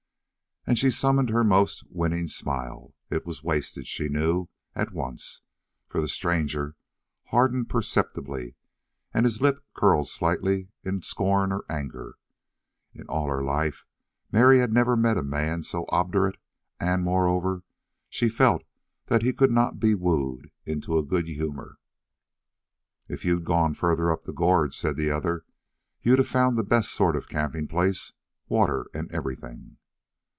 And she summoned her most winning smile. It was wasted, she knew at once, for the stranger hardened perceptibly, and his lip curled slightly in scorn or anger. In all her life Mary had never met a man so obdurate, and, moreover, she felt that he could not be wooed into a good humor. "If you'd gone farther up the gorge," said the other, "you'd of found the best sort of a camping place water and everything."